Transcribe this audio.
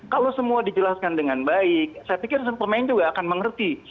kalau semua dijelaskan dengan baik saya pikir pemain juga akan mengerti